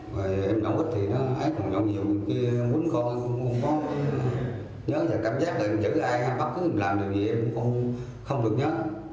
vậy em nấu bứt thì nó ấy còn nấu nhiều cái kia muốn con không có nhớ cảm giác là chữ ai bắt cứ làm được gì em cũng không được nhớ